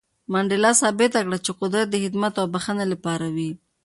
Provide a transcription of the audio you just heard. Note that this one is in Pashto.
منډېلا ثابته کړه چې قدرت د خدمت او بښنې لپاره وي.